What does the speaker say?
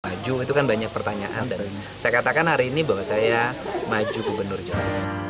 maju itu kan banyak pertanyaan dan saya katakan hari ini bahwa saya maju gubernur jawa barat